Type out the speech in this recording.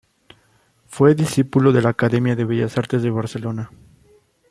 Fue discípulo de la Academia de Bellas Artes de Barcelona.